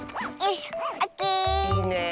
いいね。